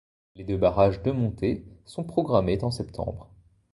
Les deux barrages de montée sont programmés en septembre.